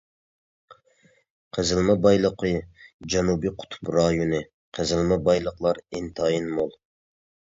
قېزىلما بايلىقى جەنۇبىي قۇتۇپ رايونى قېزىلما بايلىقلار ئىنتايىن مول.